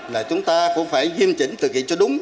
là chúng ta cũng phải nghiêm chỉnh thực hiện cho đúng